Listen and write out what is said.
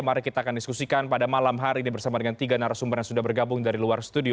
mari kita akan diskusikan pada malam hari ini bersama dengan tiga narasumber yang sudah bergabung dari luar studio